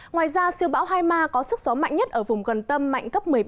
ngoài ra siêu bão hai ma có sức gió mạnh nhất ở vùng gần tâm mạnh cấp một mươi ba